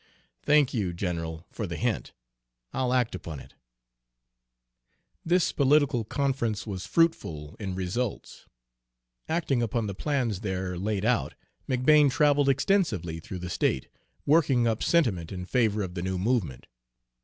"Thank you, general, for the hint. I'll act upon it." This political conference was fruitful in results. Acting upon the plans there laid out, McBane traveled extensively through the state, working up sentiment in favor of the new movement.